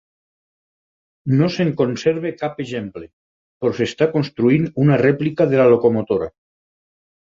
No se'n conserva cap exemple, però s'està construint una rèplica de la locomotora.